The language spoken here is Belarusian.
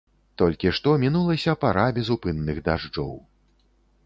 Толькі што мінулася пара безупынных дажджоў.